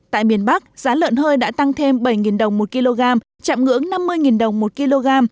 tại miền bắc giá lợn hơi đã tăng thêm bảy đồng một kg chạm ngưỡng năm mươi đồng một kg